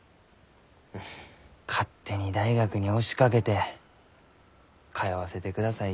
勝手に大学に押しかけて通わせてください